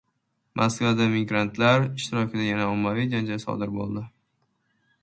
Moskvada migrantlar ishtirokida yana ommaviy janjal sodir bo‘ldi